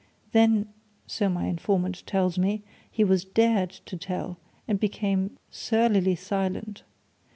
Then so my informant tells me he was dared to tell, and became surlily silent.